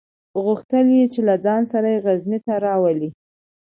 غوښتل یې چې له ځان سره یې غزني ته راولي.